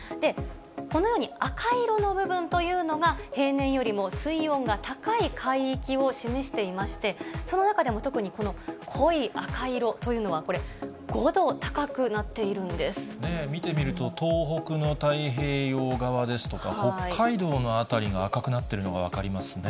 このように赤色の部分というのが、平年よりも水温が高い海域を示していまして、その中でも特に、この濃い赤色というのはこれ、見てみると、東北の太平洋側ですとか、北海道の辺りが赤くなっているのが分かりますね。